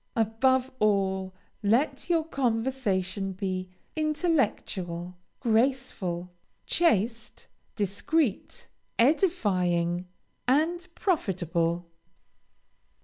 Above all, let your conversation be intellectual, graceful, chaste, discreet, edifying, and profitable.